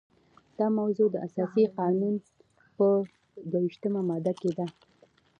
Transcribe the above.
دا موضوع د اساسي قانون په دوه ویشتمه ماده کې ده.